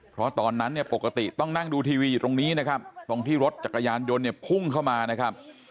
เพราะตอนนั้นปกติต้องนั่งดูทีวีตรงนี้นะครับตรงที่รถจักรยานโดนพุ่งเข้ามานะครับ